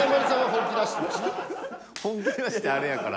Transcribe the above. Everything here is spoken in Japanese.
本気出してあれやから。